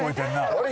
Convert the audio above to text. あれ？